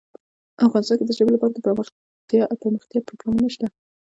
افغانستان کې د ژبې لپاره دپرمختیا پروګرامونه شته.